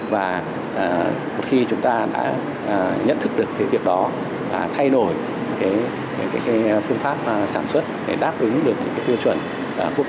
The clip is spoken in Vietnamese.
và khi chúng ta đã nhận thức được việc đó thay đổi phương pháp sản xuất để đáp ứng được tiêu chuẩn quốc tế